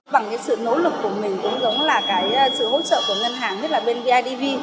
bằng sự nỗ lực của mình cũng giống như sự hỗ trợ của ngân hàng nhất là bên bidv